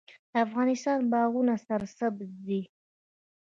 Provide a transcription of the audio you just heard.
د افغانستان باغونه سرسبز دي